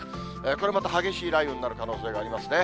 これまた激しい雷雨になる可能性がありますね。